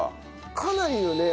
かなりのね